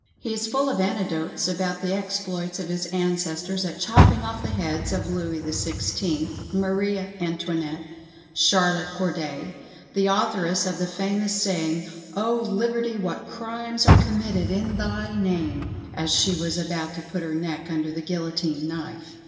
He is full of anecdotes about the exploits of his ancestors at chopping off the heads of Louis the XVI, Maria Antonette, Charlotte Corday, the authoress of the famous saying "O! liberty, what crimes are committed in thy name," as she was about to put her neck under the guillotine knife.